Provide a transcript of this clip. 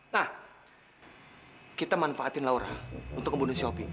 nah kita manfaatin laura untuk membunuh si opi